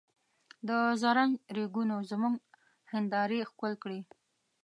د زرنج ریګونو زموږ هندارې ښکل کړې.